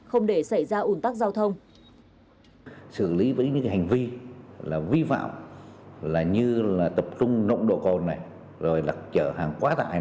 không để xảy ra ủn tắc giao thông